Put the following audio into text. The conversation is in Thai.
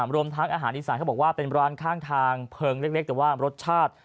รวมทั้งอาหารอีสานเขาบอกว่าเป็นร้านข้างทางเพลิงเล็กแต่ว่ารสชาติ